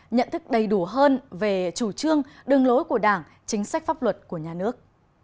nhận thức đầy đủ hơn về chủ trương đường lối của đảng chính sách pháp luật của nhà nước